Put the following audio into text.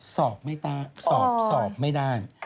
สอบไม่ได้